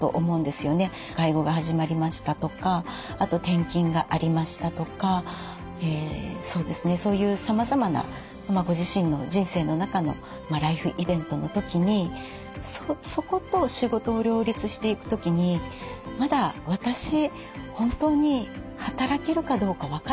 介護が始まりましたとかあと転勤がありましたとかそういうさまざまなご自身の人生の中のライフイベントの時にそこと仕事を両立していく時にまだ私こうやって言って頂けると心強いですね。